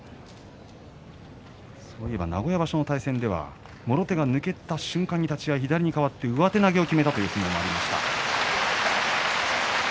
そういえば名古屋場所、対戦ではもろ手が抜けた瞬間に立ち合い左に変わって上手投げをきめた相撲もありました。